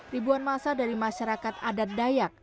ribuan masa dari masyarakat adat dayak